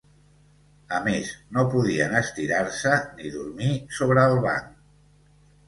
A més, no podien estirar-se ni dormir sobre el banc.